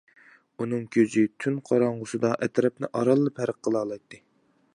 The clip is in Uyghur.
ئۇنىڭ كۆزى تۈن قاراڭغۇسىدا ئەتراپنى ئارانلا پەرق قىلالايتتى.